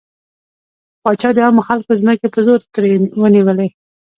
پاچا د عامو خلکو ځمکې په زور ترې ونيولې.